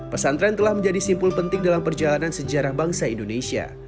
pesantren telah menjadi simpul penting dalam perjalanan sejarah bangsa indonesia